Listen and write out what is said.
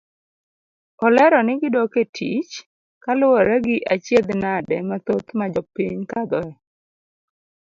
Olero ni gidok etich kaluwore gi achiedh nade mathoth majopiny kadhoe.